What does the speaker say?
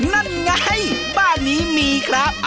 นั่นไงบ้านนี้มีครับ